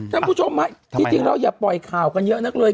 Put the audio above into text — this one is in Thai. ท่านผู้ชมครับที่จริงแล้วอย่าปล่อยข่าวกันเยอะนักเลย